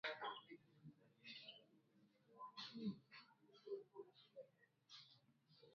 Mambo yanayopelekea ugonjwa wa ndigana baridi kutokea